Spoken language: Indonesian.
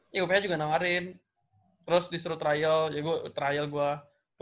ya gue punya juga namarin terus disuruh trial jadi gue trial gue